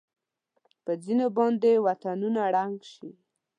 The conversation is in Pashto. په ځېنو باندې وطنونه ړنګ شي.